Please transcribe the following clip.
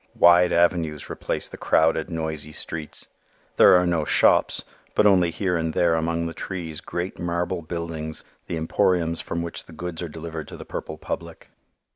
Wide avenues replace the crowded, noisy streets. There are no shops but only here and there among the trees great marble buildings, the emporiums from which the goods are delivered to the purple public.